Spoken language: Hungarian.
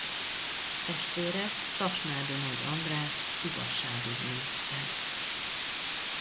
Testvére Tasnádi Nagy András igazságügy miniszter.